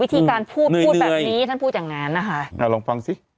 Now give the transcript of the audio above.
วิธีการพูดพูดแบบนี้ท่านพูดอย่างแหงนนะคะอ่ะลองฟังซิ